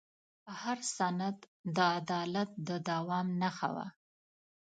هر سند د عدالت د دوام نښه وه.